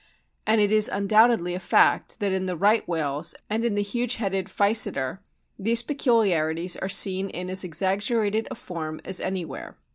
And it is un doubtedly a fact that in the Right whales and in the huge headed Physeter these peculiarities are seen in as exaggerated a form as anywhere.